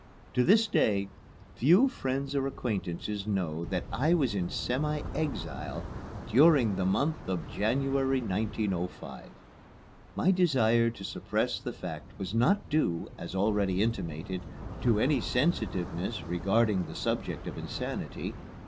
To this day few friends or acquaintances know that I was in semi exile during the month of January, 1905. My desire to suppress the fact was not due, as already intimated, to any sensitiveness regarding the subject of insanity.